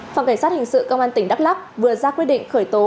phòng cảnh sát hình sự công an tỉnh đắk lắc vừa ra quyết định khởi tố